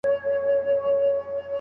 اوږده ډوډۍ به ماڼۍ ته یوړل سي.